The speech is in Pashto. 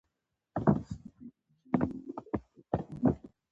خوسکی له مور څخه لږ وروسته بېل کېږي.